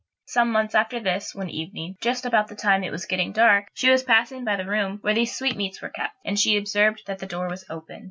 Some months after this, one evening, just about the time it was getting dark, she was passing by the room where these sweetmeats were kept, and she observed that the door was open.